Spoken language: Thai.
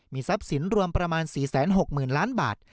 ทรัพย์สินรวมประมาณ๔๖๐๐๐ล้านบาท